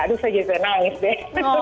aduh saya jazzer nangis deh